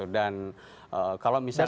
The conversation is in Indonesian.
dan kalau misalnya kita